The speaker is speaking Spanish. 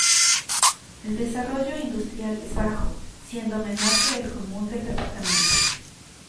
El desarrollo industrial es bajo, siendo menor que el común del Departamento.